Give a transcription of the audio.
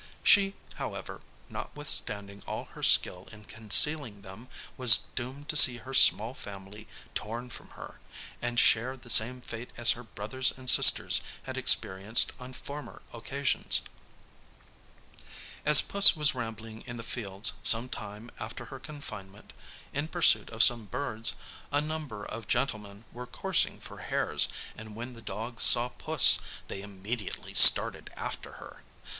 She however, notwithstanding all her skill in concealing them, was doomed to see her small family torn from her, and share the same fate as her brothers and sisters had experienced on former occasions. As Puss was rambling in the fields some time after her confinement, in pursuit of some birds, a number of gentlemen were coursing for hares, and when the dogs saw Puss, they immediately started after her.